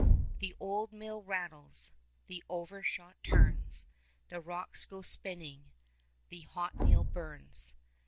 The old mill rattles. The overshot turns. The rocks go spinning, The hot meal burns.